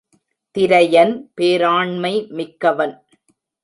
திரையன் பேராண்மை மிக்கவன்.